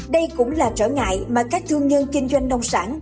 đây cũng là trở ngại mà các thương nhân kinh doanh nông sản